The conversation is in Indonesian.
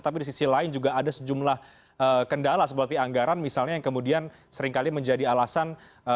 tapi di sisi lain juga ada sejumlah kendala seperti anggaran misalnya yang kemudian seringkali menjadi alasan